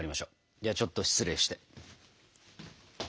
ではちょっと失礼して。